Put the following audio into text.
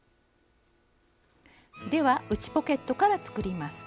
では内ポケットから作ります。